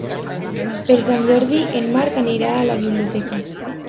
Per Sant Jordi en Marc anirà a la biblioteca.